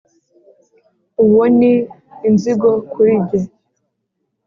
uwo ni inzigo kuri ge